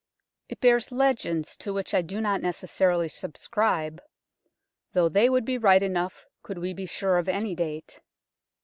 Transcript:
It bears legends to which I do not necessarily subscribe, though they would be right enough could we be sure of any date.